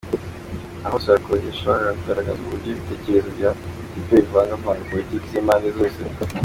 Aha Sarkozy yashakaga kugaragaza uburyo ibitekerezo bya Juppé bivangavanga politiki z’impande zose.